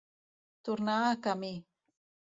Tornar a camí.